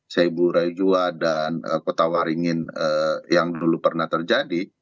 seibu raijua dan kota waringin yang dulu pernah terjadi